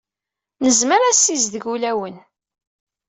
Nezmer ad nessizdeg ulawen.